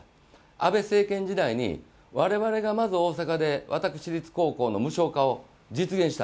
安倍政権時代に我々がまず大阪で私立高校の無償化を実現した。